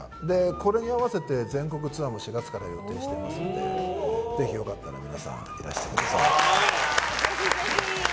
これに合わせて全国ツアーも４月から予定してますのでぜひ皆さん、いらしてください。